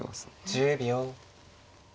１０秒。